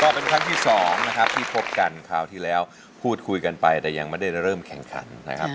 เป็นครั้งที่สองนะครับที่พบกันคราวที่แล้วพูดคุยกันไปแต่ยังไม่ได้เริ่มแข่งขันนะครับ